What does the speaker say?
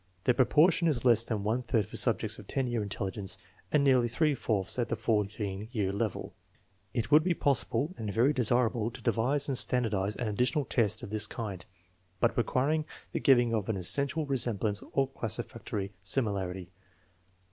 The proportion is less than one third for subjects of 10 year intelligence and nearly three fourths at the 14 year level. It would be possible and very desir TEST NO. XH, 8 309 able to devise and standardize an additional test of this kind, but requiring the giving of an essential resemblance or classificatory similarity.